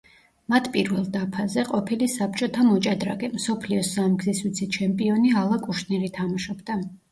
მათ პირველ დაფაზე, ყოფილი საბჭოთა მოჭადრაკე, მსოფლიოს სამგზის ვიცე-ჩემპიონი, ალა კუშნირი თამაშობდა.